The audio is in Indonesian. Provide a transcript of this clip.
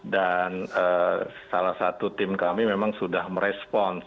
dan salah satu tim kami memang sudah merespons